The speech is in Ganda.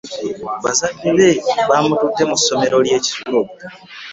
Bazadde be bamututte mu somero ly'ekisulo.